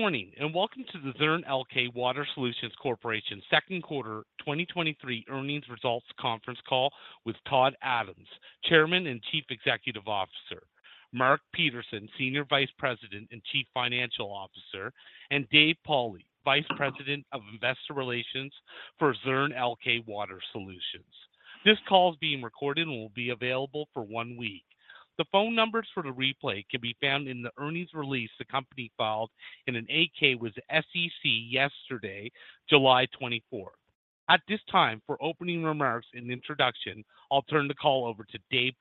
Good morning, and welcome to the Zurn Elkay Water Solutions Corporation Second Quarter 2023 Earnings Results Conference Call with Todd Adams, Chairman and Chief Executive Officer, Mark Peterson, Senior Vice President and Chief Financial Officer, and Dave Pauli, Vice President of Investor Relations for Zurn Elkay Water Solutions. This call is being recorded and will be available for one week. The phone numbers for the replay can be found in the earnings release the company filed in an 8-K with the SEC yesterday, July 24th. At this time, for opening remarks and introduction, I'll turn the call over to Dave.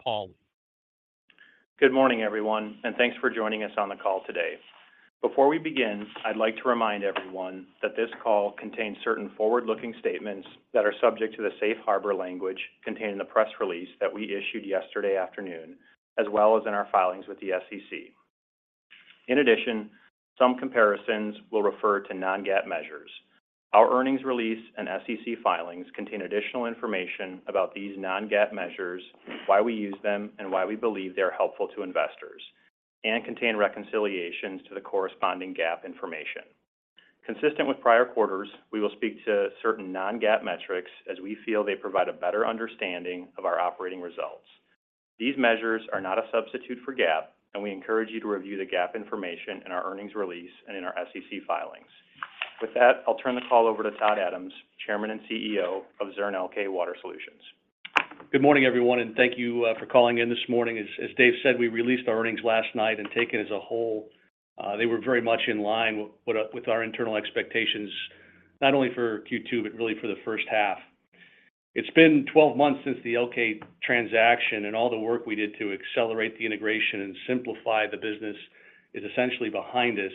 Good morning, everyone, and thanks for joining us on the call today. Before we begin, I'd like to remind everyone that this call contains certain forward-looking statements that are subject to the safe harbor language contained in the press release that we issued yesterday afternoon, as well as in our filings with the SEC. In addition, some comparisons will refer to non-GAAP measures. Our earnings release and SEC filings contain additional information about these non-GAAP measures, why we use them, and why we believe they are helpful to investors, and contain reconciliations to the corresponding GAAP information. Consistent with prior quarters, we will speak to certain non-GAAP metrics as we feel they provide a better understanding of our operating results. These measures are not a substitute for GAAP, and we encourage you to review the GAAP information in our earnings release and in our SEC filings. With that, I'll turn the call over to Todd Adams, Chairman and CEO of Zurn Elkay Water Solutions. Good morning, everyone, thank you for calling in this morning. As Dave said, we released our earnings last night, taken as a whole, they were very much in line with our internal expectations, not only for Q2, but really for the first half. It's been 12 months since the Elkay transaction, all the work we did to accelerate the integration and simplify the business is essentially behind us,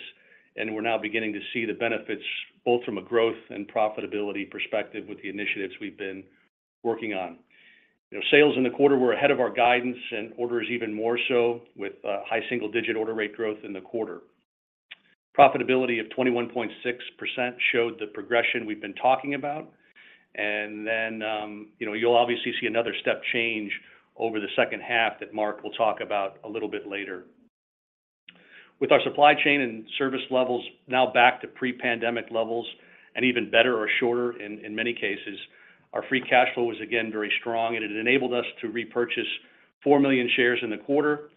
we're now beginning to see the benefits, both from a growth and profitability perspective with the initiatives we've been working on. You know, sales in the quarter were ahead of our guidance and orders even more so, with high single-digit order rate growth in the quarter. Profitability of 21.6% showed the progression we've been talking about, you know, you'll obviously see another step change over the second half that Mark will talk about a little bit later. With our supply chain and service levels now back to pre-pandemic levels and even better or shorter in many cases, our free cash flow was again very strong, and it enabled us to repurchase 4 million shares in the quarter,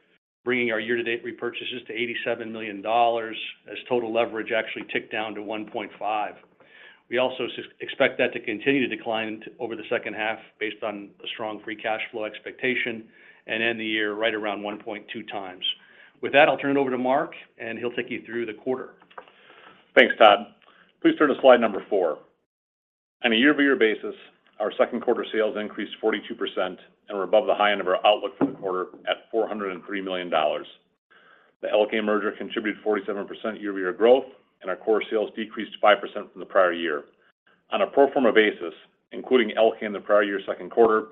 bringing our year-to-date repurchases to $87 million, as total leverage actually ticked down to 1.5. We also expect that to continue to decline over the second half based on a strong free cash flow expectation and end the year right around 1.2x. I'll turn it over to Mark, and he'll take you through the quarter. Thanks, Todd. Please turn to slide number four. On a YoY basis, our second quarter sales increased 42% and were above the high end of our outlook for the quarter at $403 million. The Elkay merger contributed 47% YoY growth, and our core sales decreased 5% from the prior year. On a pro forma basis, including Elkay in the prior year second quarter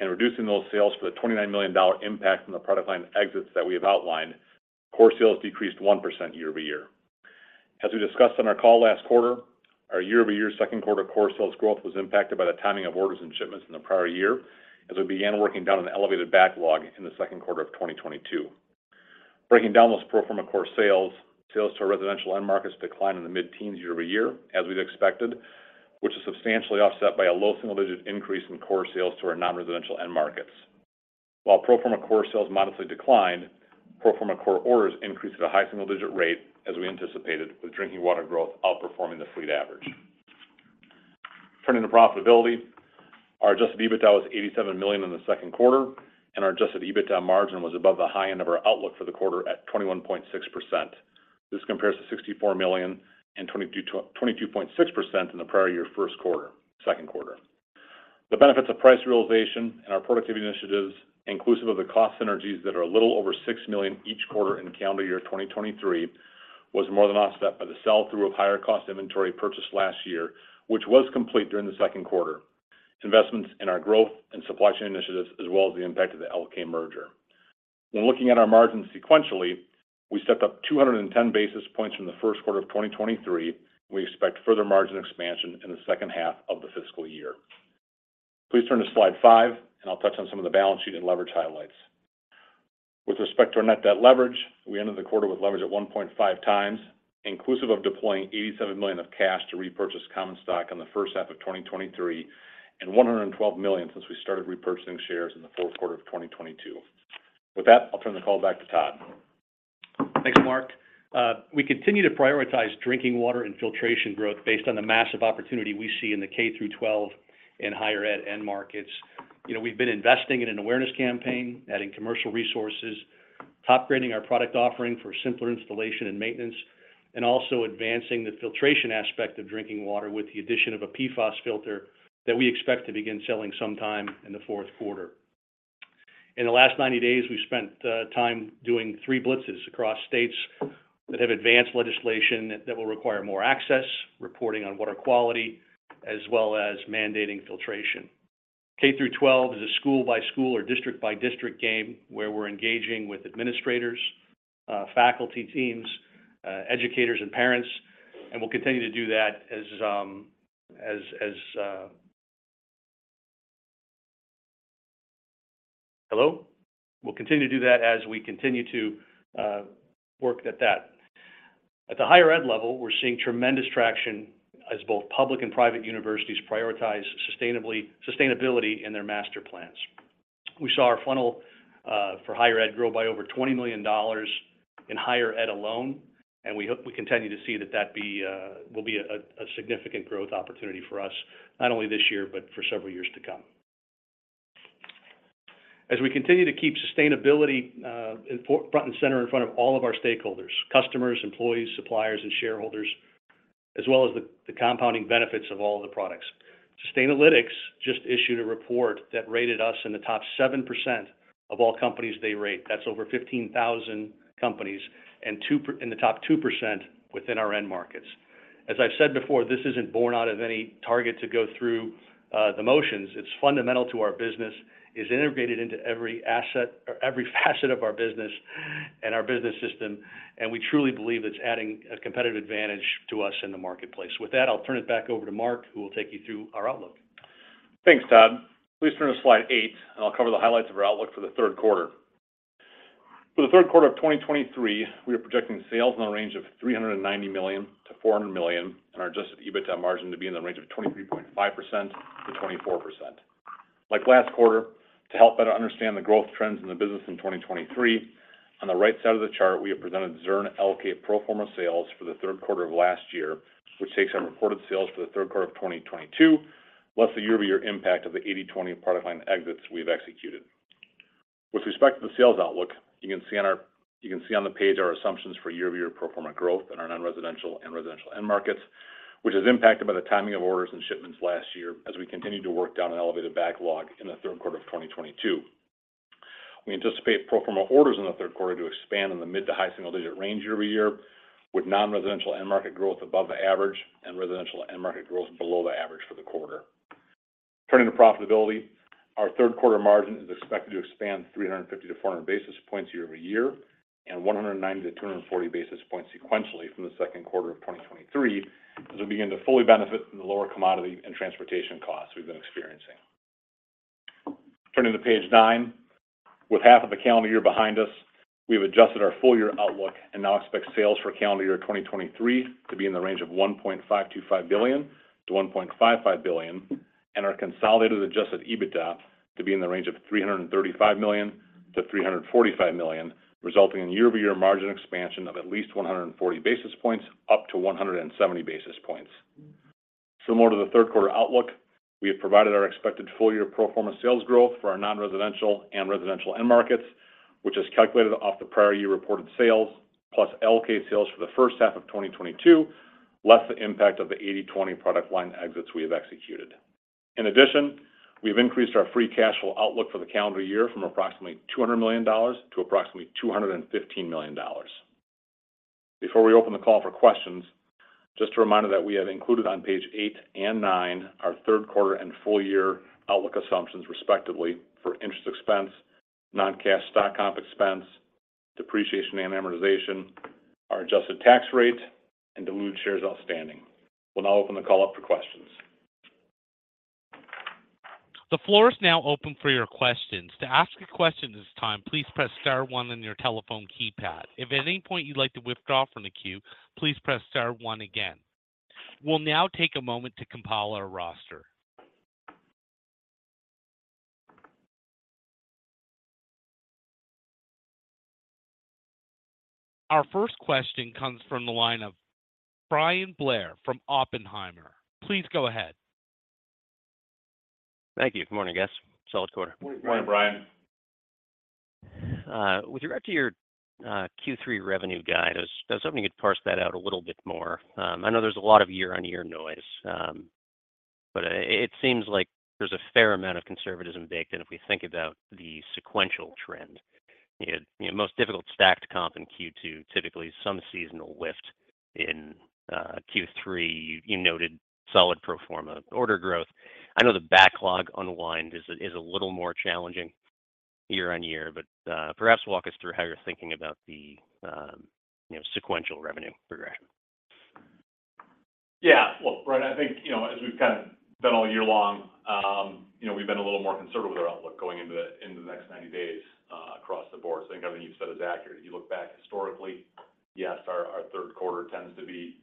and reducing those sales for the $29 million impact from the product line exits that we have outlined, core sales decreased 1% YoY. As we discussed on our call last quarter, our YoY second quarter core sales growth was impacted by the timing of orders and shipments in the prior year, as we began working down an elevated backlog in the second quarter of 2022. Breaking down those pro forma core sales to our residential end markets declined in the mid-teens YoY, as we'd expected, which is substantially offset by a low single-digit increase in core sales to our non-residential end markets. While pro forma core sales modestly declined, pro forma core orders increased at a high single digit rate, as we anticipated, with drinking water growth outperforming the fleet average. Turning to profitability, our Adjusted EBITDA was $87 million in the second quarter, and our Adjusted EBITDA margin was above the high end of our outlook for the quarter at 21.6%. This compares to $64 million and 22%-22.6% in the prior year second quarter. The benefits of price realization and our productivity initiatives, inclusive of the cost synergies that are a little over $6 million each quarter in calendar year 2023, was more than offset by the sell-through of higher-cost inventory purchased last year, which was complete during the second quarter. Investments in our growth and supply chain initiatives, as well as the impact of the Elkay merger. When looking at our margins sequentially, we stepped up 210 basis points from the first quarter of 2023. We expect further margin expansion in the second half of the fiscal year. Please turn to slide five, and I'll touch on some of the balance sheet and leverage highlights. With respect to our net debt leverage, we ended the quarter with leverage at 1.5x, inclusive of deploying $87 million of cash to repurchase common stock on the first half of 2023 and $112 million since we started repurchasing shares in the fourth quarter of 2022. With that, I'll turn the call back to Todd. Thanks, Mark. We continue to prioritize drinking water and filtration growth based on the massive opportunity we see in the K-12 and higher ed end markets. You know, we've been investing in an awareness campaign, adding commercial resources, top-grading our product offering for simpler installation and maintenance, and also advancing the filtration aspect of drinking water with the addition of a PFAS filter that we expect to begin selling sometime in the fourth quarter. In the last 90 days, we've spent time doing three blitzes across states that have advanced legislation that will require more access, reporting on water quality, as well as mandating filtration. K-12 is a school-by-school or district-by-district game, where we're engaging with administrators, faculty, teams, educators, and parents, and we'll continue to do that as... Hello? We'll continue to do that as we continue to work at that. At the higher ed level, we're seeing tremendous traction as both public and private universities prioritize sustainability in their master plans. We saw our funnel for higher ed grow by over $20 million in higher ed alone. We hope we continue to see that be will be a significant growth opportunity for us, not only this year, but for several years to come. We continue to keep sustainability front and center in front of all of our stakeholders, customers, employees, suppliers, and shareholders, as well as the compounding benefits of all of the products. Sustainalytics just issued a report that rated us in the top 7% of all companies they rate. That's over 15,000 companies, in the top 2% within our end markets. As I've said before, this isn't born out of any target to go through the motions. It's fundamental to our business, is integrated into every asset or every facet of our business and our business system, and we truly believe it's adding a competitive advantage to us in the marketplace. With that, I'll turn it back over to Mark, who will take you through our outlook. Thanks, Todd. Please turn to slide eight, and I'll cover the highlights of our outlook for the third quarter. For the third quarter of 2023, we are projecting sales in the range of $390 million-$400 million, and our Adjusted EBITDA margin to be in the range of 23.5%-24%. Like last quarter, to help better understand the growth trends in the business in 2023, on the right side of the chart, we have presented Zurn Elkay pro forma sales for the third quarter of last year, which takes our reported sales for the third quarter of 2022, plus the YoY impact of the 80/20 product line exits we've executed. With respect to the sales outlook, you can see on the page our assumptions for YoY pro forma growth in our nonresidential and residential end markets, which is impacted by the timing of orders and shipments last year as we continued to work down an elevated backlog in the third quarter of 2022. We anticipate pro forma orders in the third quarter to expand in the mid to high single-digit range YoY, with nonresidential end market growth above the average and residential end market growth below the average for the quarter. Turning to profitability, our third quarter margin is expected to expand 350 basis points-400 basis points YoY, and 190 basis points-240 basis points sequentially from the second quarter of 2023, as we begin to fully benefit from the lower commodity and transportation costs we've been experiencing. Turning to page 9. With half of the calendar year behind us, we have adjusted our full year outlook and now expect sales for calendar year 2023 to be in the range of $1.525 billion-$1.55 billion, and our consolidated Adjusted EBITDA to be in the range of $335 million-$345 million, resulting in YoY margin expansion of at least 140 basis points, up to 170 basis points. Similar to the third quarter outlook, we have provided our expected full year pro forma sales growth for our nonresidential and residential end markets, which is calculated off the prior year reported sales, plus Elkay sales for the first half of 2022, less the impact of the 80/20 product line exits we have executed. We've increased our free cash flow outlook for the calendar year from approximately $200 million to approximately $215 million. Before we open the call for questions, just a reminder that we have included on page eight and nine our third quarter and full year outlook assumptions, respectively, for interest expense, non-cash stock comp expense, depreciation and amortization, our adjusted tax rate, and dilute shares outstanding. We'll now open the call up for questions. The floor is now open for your questions. To ask a question this time, please press star one on your telephone keypad. If at any point you'd like to withdraw from the queue, please press star one again. We'll now take a moment to compile our roster. Our first question comes from the line of Bryan Blair from Oppenheimer. Please go ahead. Thank you. Good morning, guys. Solid quarter. Good morning, Bryan. Good morning, Bryan. With regard to your Q3 revenue guide, I was hoping you'd parse that out a little bit more. I know there's a lot of year-on-year noise, but it seems like there's a fair amount of conservatism baked in if we think about the sequential trend. You know, most difficult stacked comp in Q2, typically some seasonal lift in Q3. You noted solid pro forma order growth. I know the backlog unwind is a little more challenging year-on-year, but perhaps walk us through how you're thinking about the, you know, sequential revenue progression. Yeah. Well, Bryan, I think, you know, as we've kind of done all year long, you know, we've been a little more conservative with our outlook going into the, into the next 90 days, across the board. I think everything you've said is accurate. You look back historically, yes, our third quarter tends to be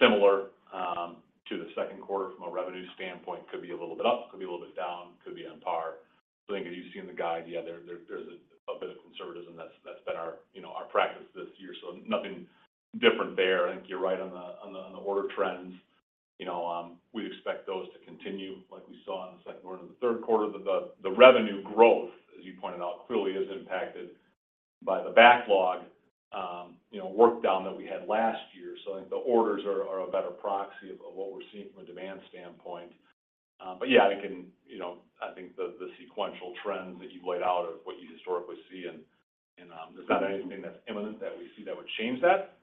similar to the second quarter from a revenue standpoint. Could be a little bit up, could be a little bit down, could be on par. I think as you've seen the guide, yeah, there's a bit of conservatism that's been our, you know, our practice this year, so nothing different there. I think you're right on the order trends. You know, we'd expect those to continue like we saw in the second quarter and the third quarter. The revenue growth, as you pointed out, clearly is impacted by the backlog, you know, work down that we had last year. I think the orders are a better proxy of what we're seeing from a demand standpoint. Yeah, I think and, you know, I think the sequential trends that you've laid out are what you historically see and, there's not anything that's imminent that we see that would change that.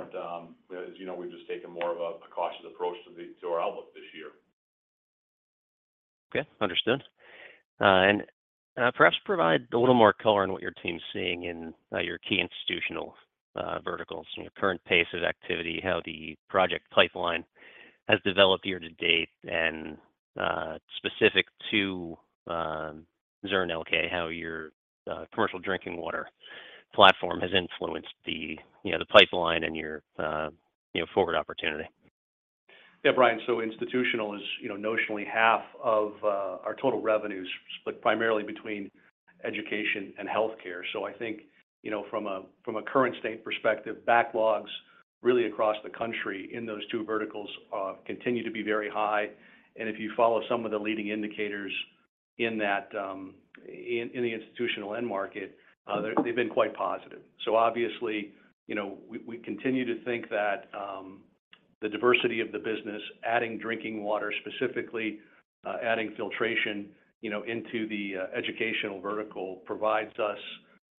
As you know, we've just taken more of a cautious approach to our outlook this year. Okay, understood. Perhaps provide a little more color on what your team's seeing in your key institutional verticals, and your current pace of activity, how the project pipeline has developed year to date specific to Zurn Elkay, how your commercial drinking water platform has influenced the, you know, the pipeline and your, you know, forward opportunity? Bryan, institutional is, you know, notionally half of our total revenues, split primarily between education and healthcare. I think, you know, from a, from a current state perspective, backlogs really across the country in those two verticals continue to be very high. If you follow some of the leading indicators in that, in the institutional end market, they've been quite positive. Obviously, you know, we continue to think that the diversity of the business, adding drinking water specifically, adding filtration, you know, into the educational vertical provides us,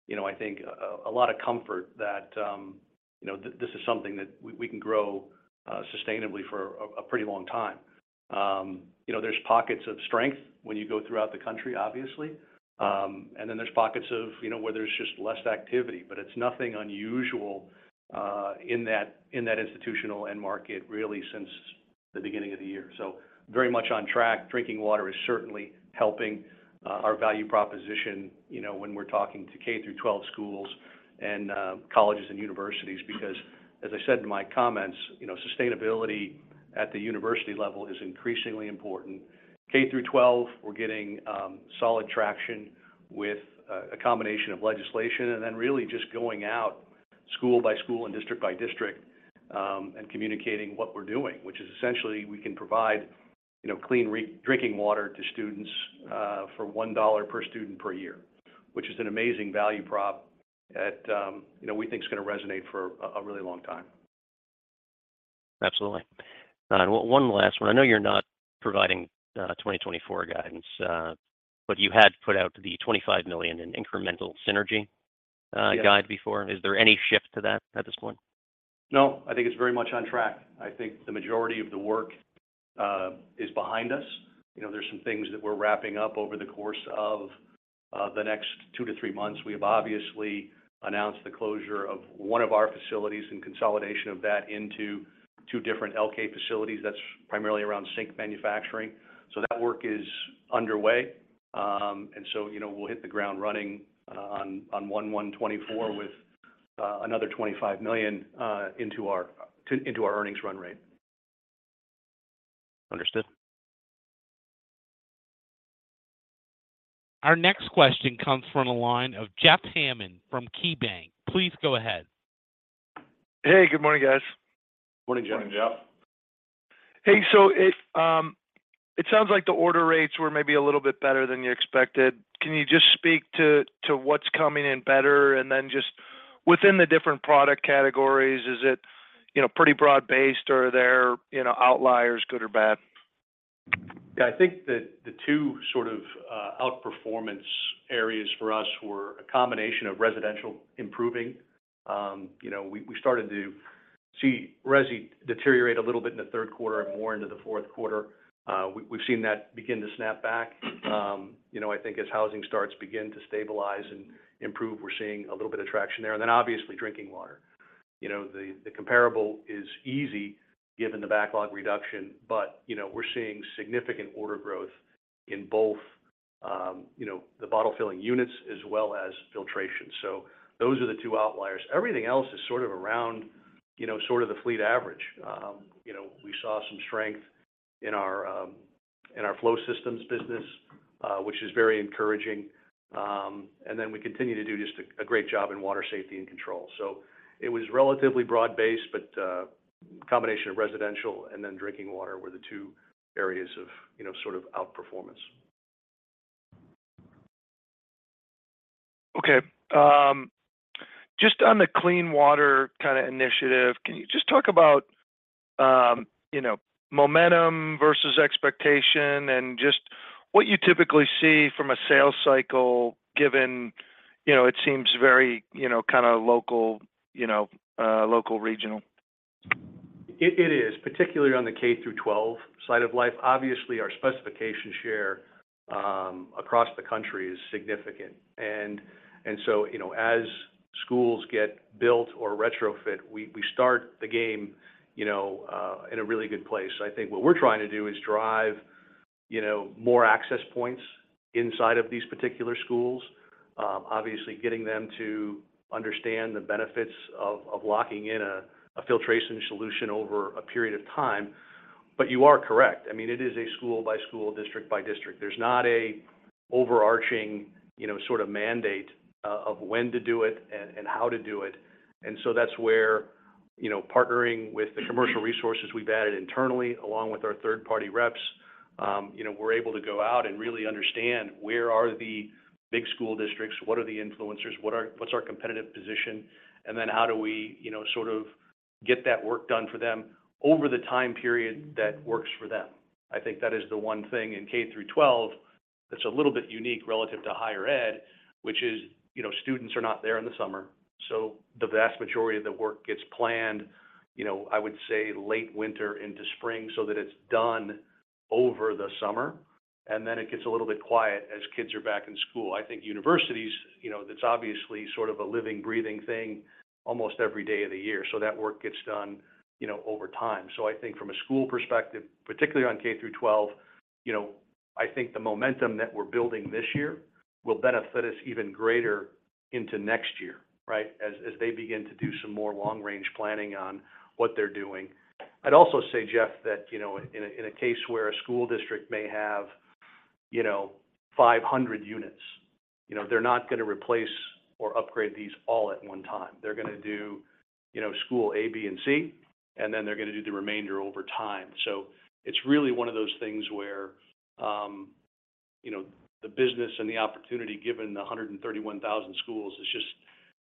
you know, I think a lot of comfort that, you know, this is something that we can grow sustainably for a pretty long time. You know, there's pockets of strength when you go throughout the country, obviously. Then there's pockets of, you know, where there's just less activity, but it's nothing unusual in that, in that institutional end market, really since the beginning of the year. Very much on track. Drinking water is certainly helping our value proposition, you know, when we're talking to K-12 schools and colleges and universities. As I said in my comments, you know, sustainability at the university level is increasingly important. K-12, we're getting solid traction with a combination of legislation, and then really just going out school by school and district by district, and communicating what we're doing, which is essentially we can provide, you know, clean drinking water to students, for $1 per student per year, which is an amazing value prop that, you know, we think is going to resonate for a really long time. Absolutely. One last one. I know you're not providing, 2024 guidance, but you had put out the $25 million in incremental synergy-. Yes... guide before. Is there any shift to that at this point? No, I think it's very much on track. I think the majority of the work is behind us. You know, there's some things that we're wrapping up over the course of the next two to three months. We have obviously announced the closure of one of our facilities and consolidation of that into two different Elkay facilities. That's primarily around sink manufacturing. That work is underway. You know, we'll hit the ground running on 1/1/2024 with another $25 million into our earnings run rate. Understood. Our next question comes from the line of Jeff Hammond from KeyBanc. Please go ahead. Hey, good morning, guys. Morning, Jeff. Hey, it sounds like the order rates were maybe a little bit better than you expected. Can you just speak to what's coming in better? Then just within the different product categories, is it, you know, pretty broad-based, or are there, you know, outliers, good or bad? Yeah, I think that the two sort of outperformance areas for us were a combination of residential improving. You know, we started to see resi deteriorate a little bit in the third quarter and more into the fourth quarter. We've seen that begin to snap back. You know, I think as housing starts to begin to stabilize and improve, we're seeing a little bit of traction there. Obviously, drinking water. You know, the comparable is easy given the backlog reduction, but, you know, we're seeing significant order growth in both, you know, the bottle filling units as well as filtration. Those are the two outliers. Everything else is sort of around, you know, sort of the fleet average. You know, we saw some strength in our in our flow systems business, which is very encouraging. We continue to do just a great job in Water Safety and Control. It was relatively broad-based, but, combination of residential and then drinking water were the two areas of, you know, sort of outperformance. Okay, just on the clean water kind of initiative, can you just talk about, you know, momentum versus expectation and just what you typically see from a sales cycle, given, you know, it seems very, you know, kind of local, you know, local, regional? It is, particularly on the K-12 side of life. Obviously, our specification share across the country is significant. So, you know, as schools get built or retrofit, we start the game, you know, in a really good place. I think what we're trying to do is drive, you know, more access points inside of these particular schools. Obviously, getting them to understand the benefits of locking in a filtration solution over a period of time. You are correct. I mean, it is a school by school, district by district. There's not a overarching, you know, sort of mandate of when to do it and how to do it. That's where, you know, partnering with the commercial resources we've added internally, along with our third-party reps, you know, we're able to go out and really understand where are the big school districts, what are the influencers, what's our competitive position, then how do we, you know, sort of get that work done for them over the time period that works for them? I think that is the one thing in K-12 that's a little bit unique relative to higher ed, which is, you know, students are not there in the summer, so the vast majority of the work gets planned, you know, I would say late winter into spring, so that it's done over the summer. Then it gets a little bit quiet as kids are back in school. I think universities, you know, that's obviously sort of a living, breathing thing almost every day of the year, so that work gets done, you know, over time. I think from a school perspective, particularly on K-12, you know, I think the momentum that we're building this year will benefit us even greater into next year, right? As they begin to do some more long-range planning on what they're doing. I'd also say, Jeff, that, you know, in a case where a school district may have, you know, 500 units, you know, they're not going to replace or upgrade these all at one time. They're going to do, you know, school A, B, and C, and then they're going to do the remainder over time. It's really one of those things where, you know, the business and the opportunity, given the 131,000 schools,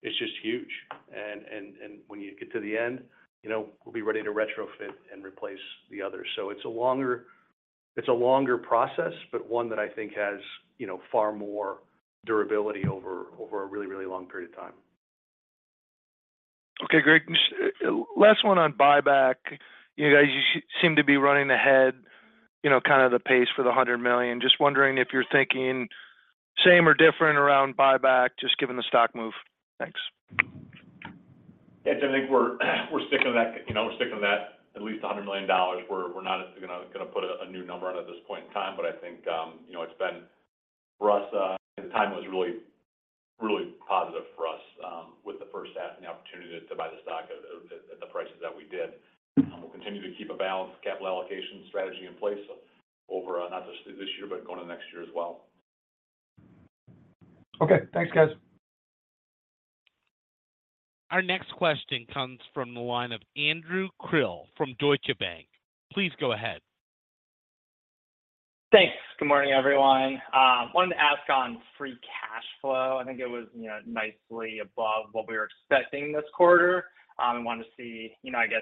it's just huge. When you get to the end, you know, we'll be ready to retrofit and replace the others. It's a longer process, but one that I think has, you know, far more durability over a really, really long period of time. Okay, great. Last one on buyback. You guys, you seem to be running ahead, you know, kind of the pace for the $100 million. Just wondering if you're thinking same or different around buyback, just given the stock move. Thanks. Yeah, I think we're sticking to that. You know, we're sticking to that at least $100 million. We're not gonna put a new number on it at this point in time, but I think, you know, it's been, for us, the timing was really positive for us, with the first half and the opportunity to buy the stock at the prices that we did. We'll continue to keep a balanced capital allocation strategy in place over not just this year, but going to next year as well. Okay. Thanks, guys. Our next question comes from the line of Andrew Krill from Deutsche Bank. Please go ahead. Thanks. Good morning, everyone. wanted to ask on free cash flow. I think it was, you know, nicely above what we were expecting this quarter. I wanted to see, you know, I guess,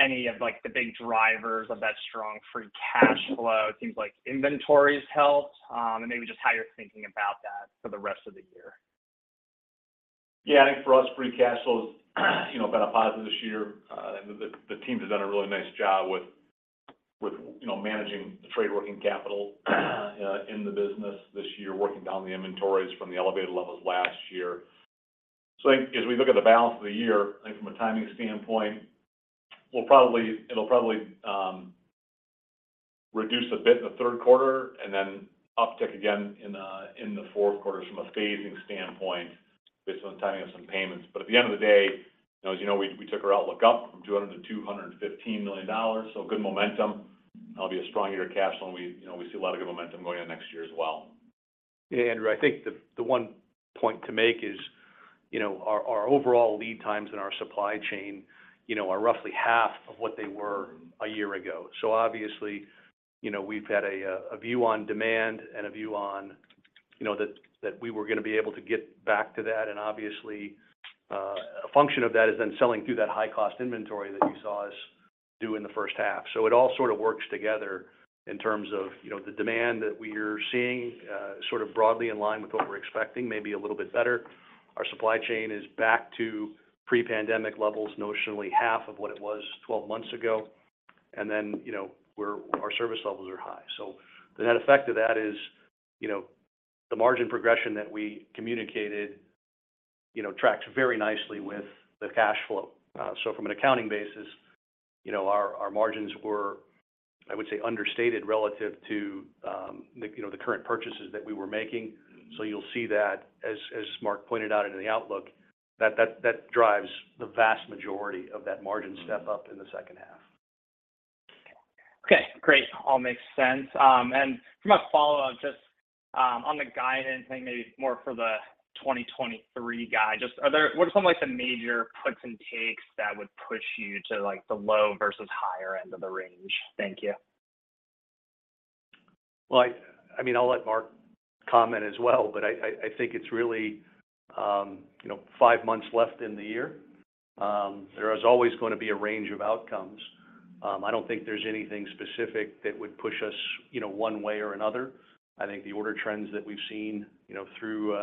any of, like, the big drivers of that strong free cash flow. It seems like inventories helped, and maybe just how you're thinking about that for the rest of the year. I think for us, free cash flow is, you know, been a positive this year. The team has done a really nice job with, you know, managing the trade working capital in the business this year, working down the inventories from the elevated levels last year. I think as we look at the balance of the year, I think from a timing standpoint, it'll probably reduce a bit in the third quarter and then uptick again in the fourth quarter from a phasing standpoint, based on the timing of some payments. At the end of the day, as you know, we took our outlook up from $200 million-$215 million, good momentum. That'll be a strong year of cash flow, and we, you know, we see a lot of good momentum going on next year as well. Yeah, Andrew, I think the one point to make is, you know, our overall lead times in our supply chain, you know, are roughly half of what they were a year ago. Obviously, you know, we've had a view on demand and a view on, you know, that we were going to be able to get back to that. Obviously, a function of that is then selling through that high-cost inventory that you saw us do in the first half. It all sort of works together in terms of, you know, the demand that we're seeing, sort of broadly in line with what we're expecting, maybe a little bit better. Our supply chain is back to pre-pandemic levels, notionally half of what it was 12 months ago. You know, our service levels are high. The net effect of that is, you know, the margin progression that we communicated, you know, tracks very nicely with the cash flow. From an accounting basis, you know, our margins were, I would say, understated relative to, the, you know, the current purchases that we were making. You'll see that as Mark pointed out in the outlook, that drives the vast majority of that margin step up in the second half. Okay, great. All makes sense. For my follow-up, just on the guidance thing, maybe more for the 2023 guide, what are some of the major puts and takes that would push you to, like, the low versus higher end of the range? Thank you. Well, I mean, I'll let Mark comment as well. I think it's really, you know, five months left in the year. There is always going to be a range of outcomes. I don't think there's anything specific that would push us, you know, one way or another. I think the order trends that we've seen, you know, through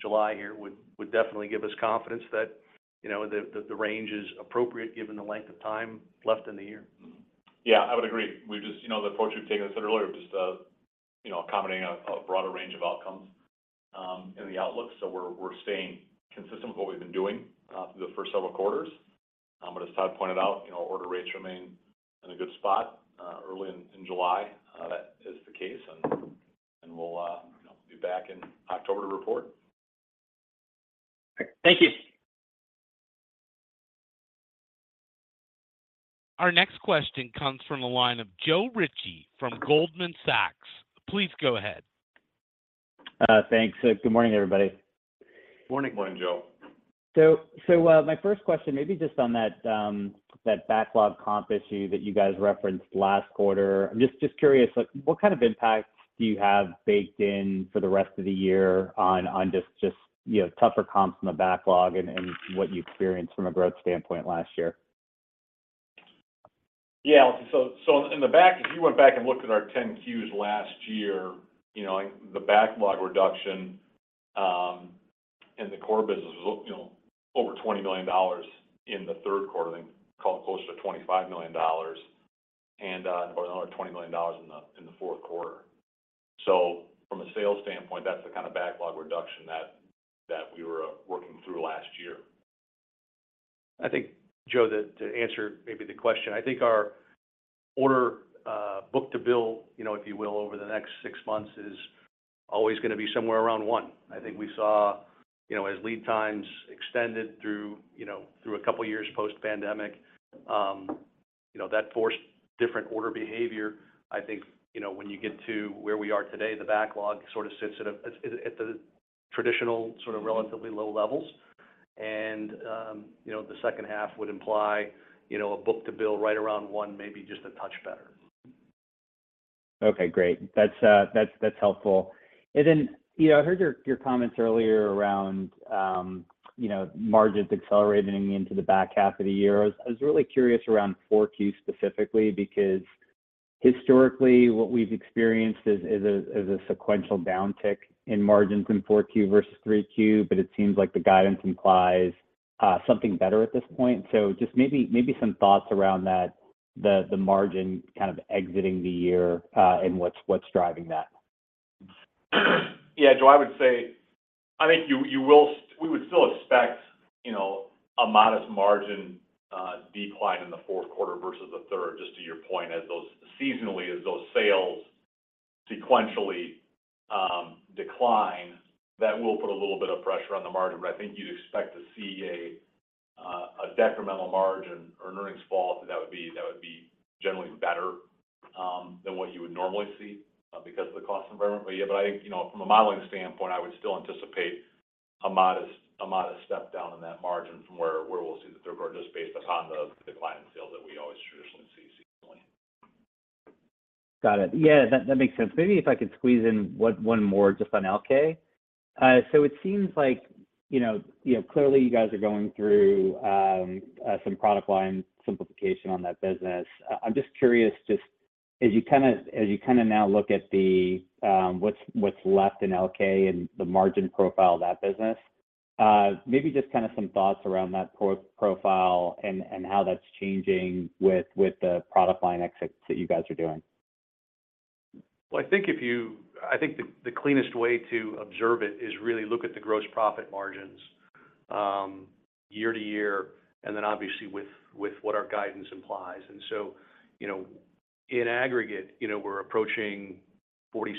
July here would definitely give us confidence that, you know, the range is appropriate given the length of time left in the year. Yeah, I would agree. We've just, you know, the approach we've taken, I said earlier, just, you know, accommodating a broader range of outcomes in the outlook. We're staying consistent with what we've been doing through the first several quarters. As Todd pointed out, you know, order rates remain in a good spot. Early in July, that is the case, and we'll, you know, be back in October to report. Thank you. Our next question comes from the line of Joe Ritchie from Goldman Sachs. Please go ahead. Thanks. Good morning, everybody. Morning. Morning, Joe. My first question, maybe just on that backlog comp issue that you guys referenced last quarter. I'm just curious, like, what kind of impact do you have baked in for the rest of the year on, you know, tougher comps in the backlog and what you experienced from a growth standpoint last year? Yeah. In the back, if you went back and looked at our 10-Qs last year, you know, like, the backlog reduction and the core business was, you know, over $20 million in the third quarter, then call it closer to $25 million, and about another $20 million in the, in the fourth quarter. From a sales standpoint, that's the kind of backlog reduction that we were working through last year. I think, Joe, that to answer maybe the question, I think our order, book-to-bill, you know, if you will, over the next six months, is always gonna be somewhere around one. I think we saw, you know, as lead times extended through, you know, through a couple of years post-pandemic, you know, that forced different order behavior. I think, you know, when you get to where we are today, the backlog sort of sits at the traditional, sort of relatively low levels. The second half would imply, you know, a book-to-bill right around one, maybe just a touch better. Okay, great. That's helpful. You know, I heard your comments earlier around, you know, margins accelerating into the back half of the year. I was really curious around Q4 specifically, because historically, what we've experienced is a, is a sequential downtick in margins in Q4 versus Q3, but it seems like the guidance implies something better at this point. Just maybe some thoughts around that, the margin kind of exiting the year, and what's driving that? Yeah, Joe, I would say, I think you, we would still expect, you know, a modest margin decline in the fourth quarter versus the third, just to your point, seasonally, as those sales sequentially decline, that will put a little bit of pressure on the margin. I think you'd expect to see a detrimental margin or an earnings fall, that would be generally better than what you would normally see because of the cost environment. Yeah, but I, you know, from a modeling standpoint, I would still anticipate a modest step down in that margin from where we'll see the third quarter, just based upon the decline in sales that we always traditionally see seasonally. Got it. Yeah, that makes sense. Maybe if I could squeeze in one more just on Elkay. It seems like, you know, clearly you guys are going through some product line simplification on that business. I'm just curious, just as you kind of now look at the what's left in Elkay and the margin profile of that business, maybe just kind of some thoughts around that profile and how that's changing with the product line exits that you guys are doing. Well, I think the cleanest way to observe it is really look at the gross profit margins YoY, and then obviously with what our guidance implies. In aggregate, you know, we're approaching 46%,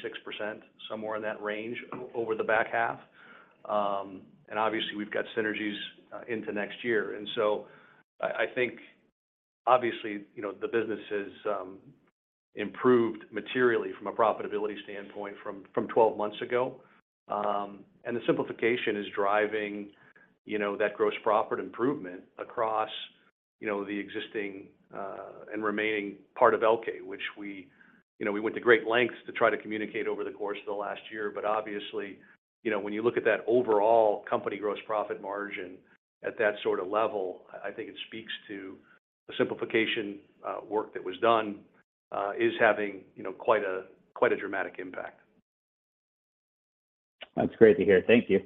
somewhere in that range over the back half. Obviously, we've got synergies into next year. I think obviously, you know, the business has improved materially from a profitability standpoint from 12 months ago. The simplification is driving, you know, that gross profit improvement across, you know, the existing and remaining part of Elkay, which we, you know, went to great lengths to try to communicate over the course of the last year. obviously, you know, when you look at that overall company gross profit margin at that sort of level, I think it speaks to the simplification, work that was done, is having, you know, quite a dramatic impact. That's great to hear. Thank you.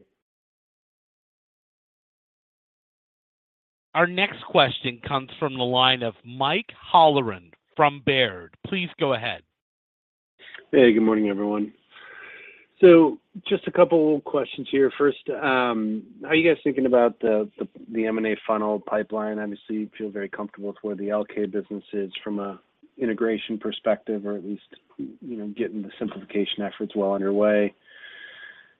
Our next question comes from the line of Mike Halloran from Baird. Please go ahead. Hey, good morning, everyone. Just a couple of questions here. First, how are you guys thinking about the M&A funnel pipeline? Obviously, you feel very comfortable with where the Elkay business is from an integration perspective, or at least, you know, getting the simplification efforts well underway.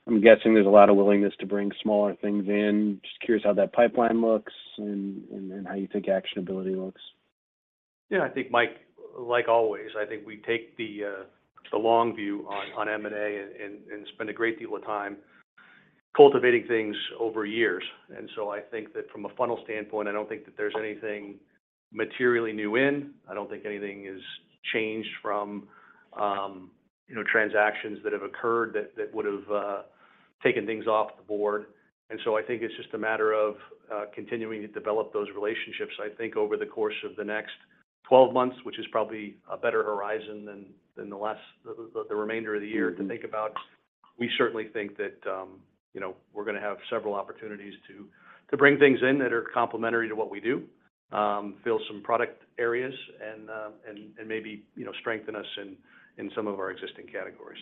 I'm guessing there's a lot of willingness to bring smaller things in. Just curious how that pipeline looks and how you think actionability looks. Yeah, I think, Mike, like always, I think we take the long view on M&A and spend a great deal of time cultivating things over years. I think that from a funnel standpoint, I don't think that there's anything materially new in. I don't think anything is changed from, you know, transactions that have occurred that would have taken things off the board. I think it's just a matter of continuing to develop those relationships, I think, over the course of the next 12 months, which is probably a better horizon than the remainder of the year. Mm-hmm to think about. We certainly think that, you know, we're gonna have several opportunities to bring things in that are complementary to what we do, fill some product areas and maybe, you know, strengthen us in some of our existing categories.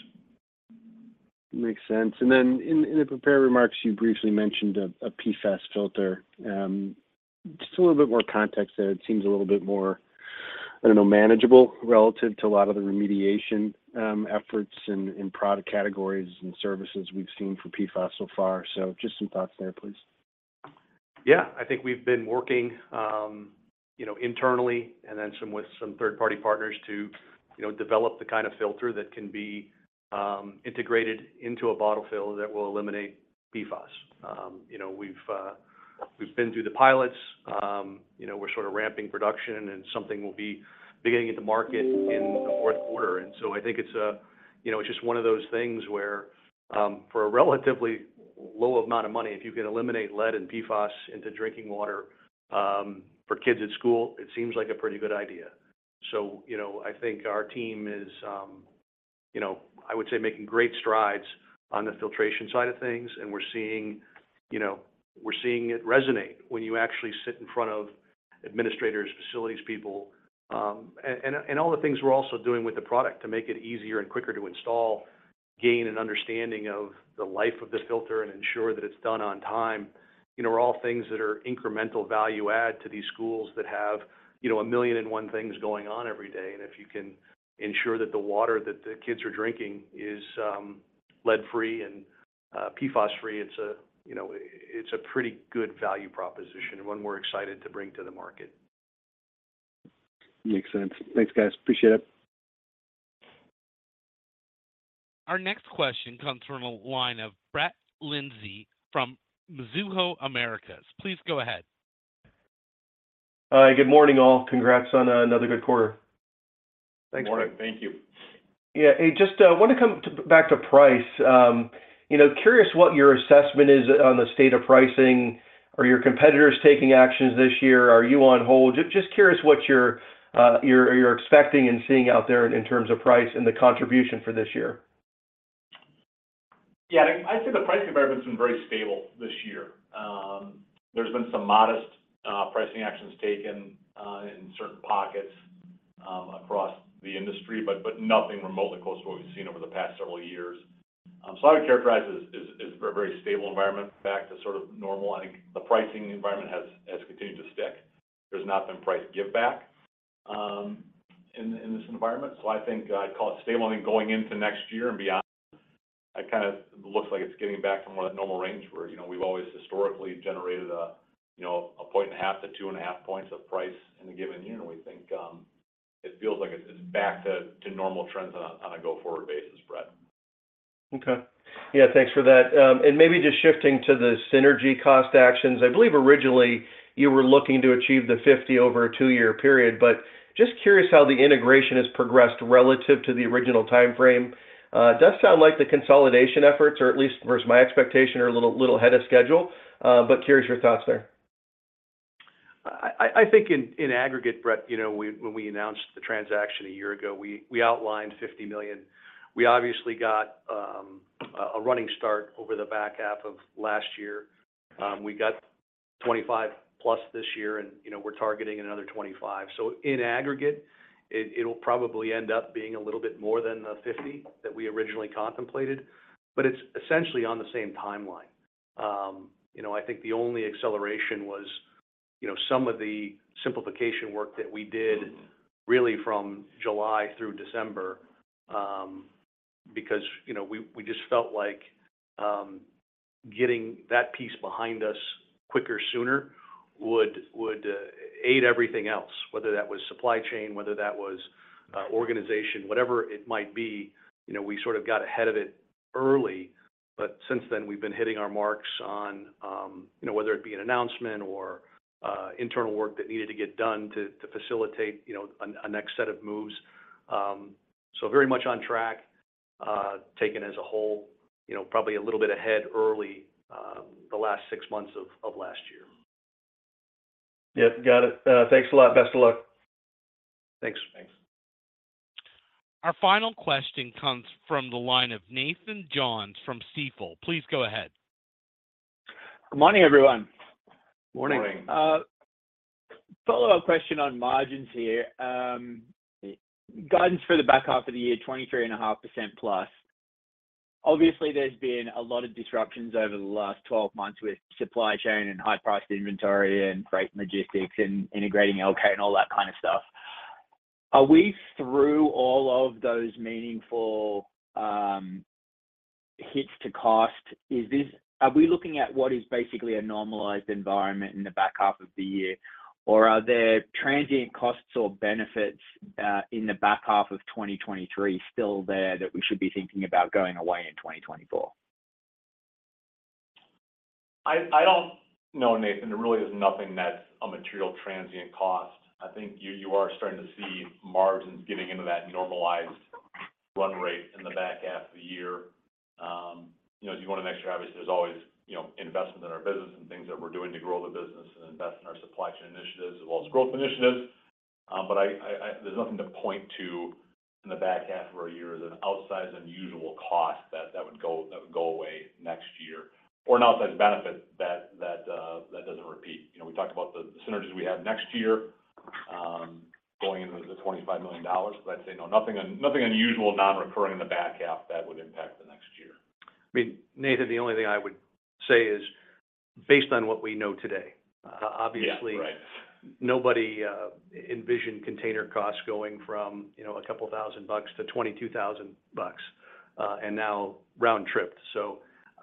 Makes sense. In, in the prepared remarks, you briefly mentioned a PFAS filter. Just a little bit more context there. It seems a little bit more, I don't know, manageable relative to a lot of the remediation, efforts in product categories and services we've seen for PFAS so far. Just some thoughts there, please. Yeah. I think we've been working, you know, internally and then with some third-party partners to, you know, develop the kind of filter that can be, integrated into a bottle fill that will eliminate PFAS. You know, we've been through the pilots, you know, we're sort of ramping production, something will be beginning in the market in the fourth quarter. I think it's a, you know, it's just one of those things where, for a relatively low amount of money, if you can eliminate lead and PFAS into drinking water, for kids at school, it seems like a pretty good idea. You know, I think our team is-... you know, I would say making great strides on the filtration side of things, and we're seeing, you know, we're seeing it resonate when you actually sit in front of administrators, facilities people, and all the things we're also doing with the product to make it easier and quicker to install, gain an understanding of the life of the filter and ensure that it's done on time. You know, are all things that are incremental value add to these schools that have, you know, a million and one things going on every day. If you can ensure that the water that the kids are drinking is lead-free and PFAS-free, it's a, you know, it's a pretty good value proposition and one we're excited to bring to the market. Makes sense. Thanks, guys. Appreciate it. Our next question comes from a line of Brett Linzey from Mizuho Americas. Please go ahead. Hi, good morning, all. Congrats on another good quarter. Thanks, Brett Linzey. Good morning. Thank you. Yeah. Hey, just want to come back to price. You know, curious what your assessment is on the state of pricing. Are your competitors taking actions this year? Are you on hold? Just curious what you're expecting and seeing out there in terms of price and the contribution for this year? I'd say the price environment's been very stable this year. There's been some modest pricing actions taken in certain pockets across the industry, but nothing remotely close to what we've seen over the past several years. I would characterize as a very stable environment back to sort of normal. I think the pricing environment has continued to stick. There's not been price give back in this environment, I think I'd call it stable. Going into next year and beyond, it kind of looks like it's getting back to more that normal range where, you know, we've always historically generated 1.5-2.5 points of price in a given year. We think, it feels like it's back to normal trends on a go-forward basis, Brett. Okay. Yeah, thanks for that. Maybe just shifting to the synergy cost actions. I believe originally you were looking to achieve the 50 over a two year period, but just curious how the integration has progressed relative to the original timeframe. Does sound like the consolidation efforts, or at least where's my expectation, are a little ahead of schedule, but curious your thoughts there. I think in aggregate, Brett Linzey, you know, when we announced the transaction a year ago, we outlined $50 million. We obviously got a running start over the back half of last year. We got $25+ this year, and, you know, we're targeting another $25. In aggregate, it'll probably end up being a little bit more than the $50 that we originally contemplated, but it's essentially on the same timeline. You know, I think the only acceleration was, you know, some of the simplification work that we did. Mm-hmm... really from July through December. because, you know, we just felt like, getting that piece behind us quicker, sooner, would aid everything else, whether that was supply chain, whether that was, organization, whatever it might be, you know, we sort of got ahead of it early. Since then, we've been hitting our marks on, you know, whether it be an announcement or, internal work that needed to get done to facilitate, you know, a next set of moves. Very much on track, taken as a whole, you know, probably a little bit ahead early, the last six months of last year. Yep, got it. Thanks a lot. Best of luck. Thanks. Thanks. Our final question comes from the line of Nathan Jones from Stifel. Please go ahead. Good morning, everyone. Morning. Morning. Follow-up question on margins here. Guidance for the back half of the year, 23.5%+. Obviously, there's been a lot of disruptions over the last 12 months with supply chain and high-priced inventory and freight logistics and integrating Elkay and all that kind of stuff. Are we through all of those meaningful hits to cost? Are we looking at what is basically a normalized environment in the back half of the year, or are there transient costs or benefits in the back half of 2023 still there, that we should be thinking about going away in 2024? I don't. No, Nathan, there really is nothing that's a material transient cost. I think you are starting to see margins getting into that normalized run rate in the back half of the year. You know, as you go into next year, obviously, there's always, you know, investment in our business and things that we're doing to grow the business and invest in our supply chain initiatives as well as growth initiatives. There's nothing to point to in the back half of our year as an outsized, unusual cost that would go away next year or an outsized benefit that doesn't repeat. You know, we talked about the synergies we have next year, going into the $25 million. I'd say no, nothing unusual, non-recurring in the back half that would impact the next year. I mean, Nathan, the only thing I would say is, based on what we know today. Yeah, right.... obviously, nobody, envisioned container costs going from, you know, a couple thousand dollars to $22,000, and now round trip.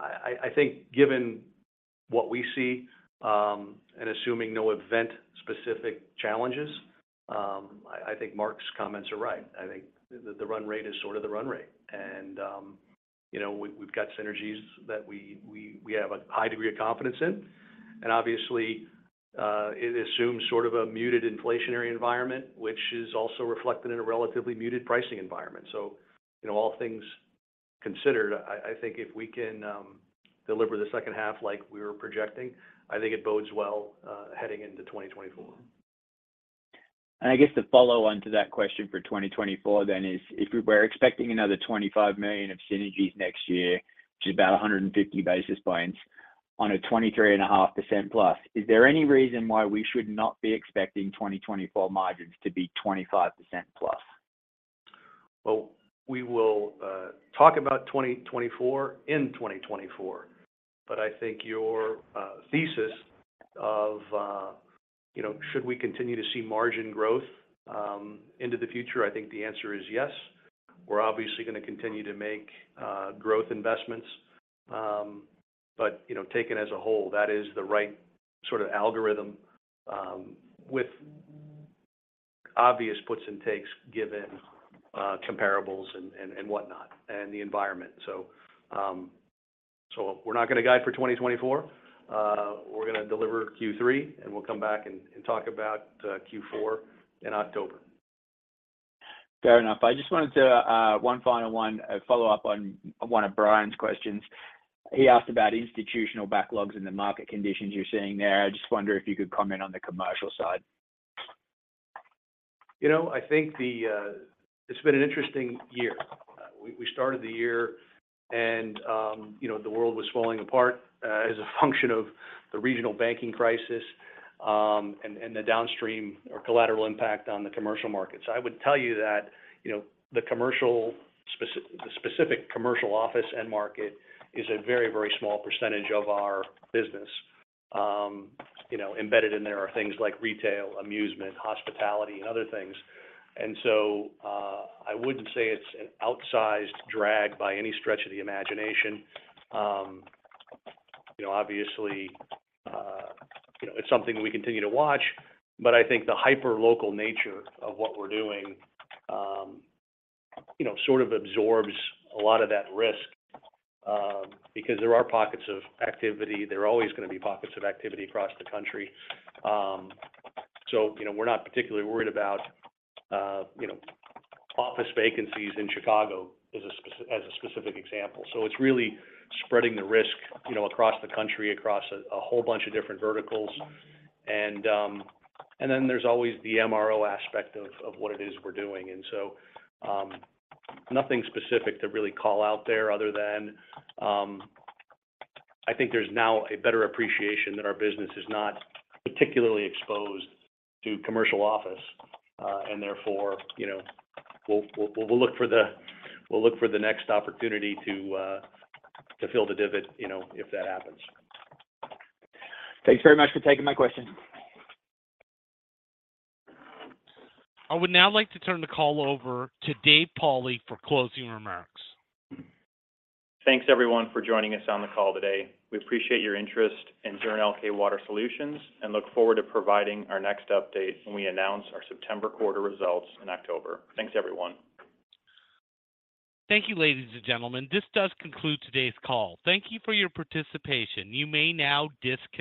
I think given what we see, and assuming no event-specific challenges, I think Mark's comments are right. I think the run rate is sort of the run rate. You know, we've got synergies that we have a high degree of confidence in. Obviously, it assumes sort of a muted inflationary environment, which is also reflected in a relatively muted pricing environment. You know, all things considered, I think if we can deliver the second half like we were projecting, I think it bodes well heading into 2024. I guess the follow-on to that question for 2024 then is, if we were expecting another $25 million of synergies next year, which is about 150 basis points on a 23.5%+, is there any reason why we should not be expecting 2024 margins to be 25%+? We will talk about 2024 in 2024, but I think your thesis of, you know, should we continue to see margin growth into the future? I think the answer is yes. We're obviously going to continue to make growth investments. You know, taken as a whole, that is the right sort of algorithm with obvious puts and takes, given comparables and, and whatnot, and the environment. So we're not going to guide for 2024. We're going to deliver Q3, and we'll come back and talk about Q4 in October. Fair enough. I just wanted to, one final one, a follow-up on one of Bryan's questions. He asked about institutional backlogs in the market conditions you're seeing there. I just wonder if you could comment on the commercial side. You know, I think the, it's been an interesting year. We started the year and, you know, the world was falling apart, as a function of the regional banking crisis, and the downstream or collateral impact on the commercial markets. I would tell you that, you know, the commercial, the specific commercial office end market is a very small percentage of our business. You know, embedded in there are things like retail, amusement, hospitality, and other things. I wouldn't say it's an outsized drag by any stretch of the imagination. You know, obviously, you know, it's something we continue to watch, but I think the hyperlocal nature of what we're doing, you know, sort of absorbs a lot of that risk. Because there are pockets of activity, there are always going to be pockets of activity across the country. You know, we're not particularly worried about, you know, office vacancies in Chicago as a specific example. It's really spreading the risk, you know, across the country, across a whole bunch of different verticals. Then there's always the MRO aspect of what it is we're doing. Nothing specific to really call out there other than I think there's now a better appreciation that our business is not particularly exposed to commercial office. Therefore, you know, we'll, we'll look for the next opportunity to fill the divot, you know, if that happens. Thanks very much for taking my question. I would now like to turn the call over to Dave Pauli for closing remarks. Thanks, everyone, for joining us on the call today. We appreciate your interest in Zurn Elkay Water Solutions and look forward to providing our next update when we announce our September quarter results in October. Thanks, everyone. Thank you, ladies and gentlemen. This does conclude today's call. Thank you for your participation. You may now disconnect.